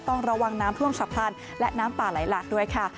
ต้องระวังน้ำท่วมฉับพลันและน้ำป่าไหลหลากด้วยค่ะ